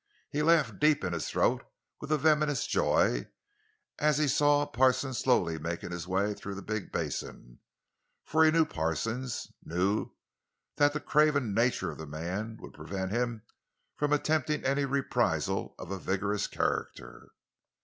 He laughed deep in his throat with a venomous joy as he saw Parsons slowly making his way through the big basin; for he knew Parsons—he knew that the craven nature of the man would prevent him from attempting any reprisal of a vigorous character.